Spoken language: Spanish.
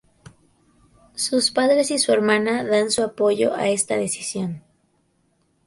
Sus padres y su hermana dan su apoyo a esta decisión.